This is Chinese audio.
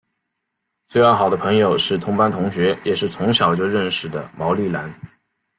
最要好的朋友是同班同学也是从小就认识的毛利兰。